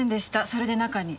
それで中に。